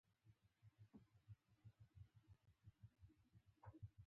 هغه څو شیبې غلی ولاړ و چې چا پرې غږ وکړ